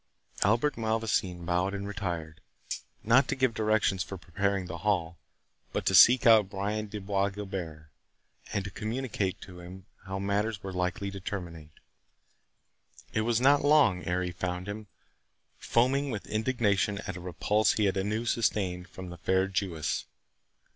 Albert Malvoisin bowed and retired,—not to give directions for preparing the hall, but to seek out Brian de Bois Guilbert, and communicate to him how matters were likely to terminate. It was not long ere he found him, foaming with indignation at a repulse he had anew sustained from the fair Jewess.